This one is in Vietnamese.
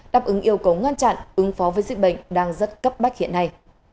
đáp ứng yêu cầu ngăn chặn ứng phó với dịch bệnh đang rất cấp bách hiện nay